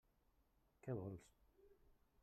Què vols?